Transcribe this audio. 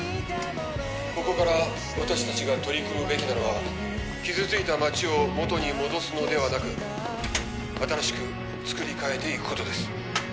ここから私たちが取り組むべきなのは傷ついた街を元に戻すのではなく新しく造り替えていくことです